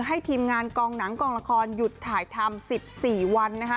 ทีมงานกองหนังกองละครหยุดถ่ายทำ๑๔วัน